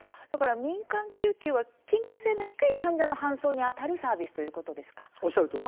だから民間救急は緊急性が低い患者の搬送にあたるサービスということですか。